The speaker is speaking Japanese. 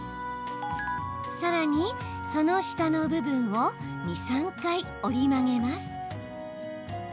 さらに、その下の部分を２、３回折り曲げます。